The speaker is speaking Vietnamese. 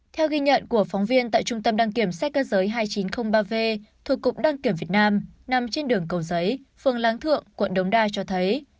theo ghi nhận của phóng viên tại trung tâm đăng kiểm xe cơ giới hai nghìn chín trăm linh ba v thuộc cục đăng kiểm việt nam nằm trên đường cầu giấy phường láng thượng quận đống đa cho thấy